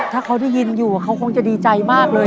ถ้าเขาได้ยินอยู่เขาคงจะดีใจมากเลย